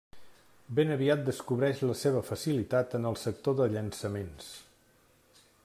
Ben aviat descobreix la seva facilitat en el sector de llançaments.